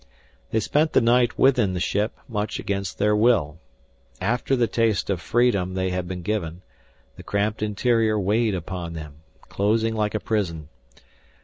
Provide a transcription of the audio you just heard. They spent the night within the ship, much against their will. After the taste of freedom they had been given, the cramped interior weighed upon them, closing like a prison.